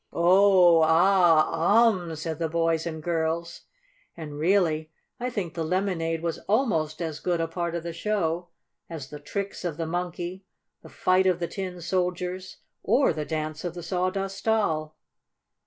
"Oh! Ah! Um!" said the boys and girls, and, really, I think the lemonade was almost as good a part of the show as the tricks of the Monkey, the fight of the Tin Soldiers, or the dance of the Sawdust Doll.